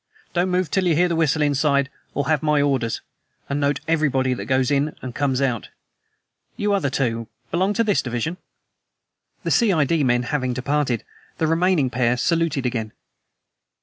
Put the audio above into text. Don't move till you hear the whistle inside or have my orders, and note everybody that goes in and comes out. You other two belong to this division?" The C.I.D. men having departed, the remaining pair saluted again.